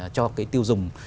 cho cái tiêu dùng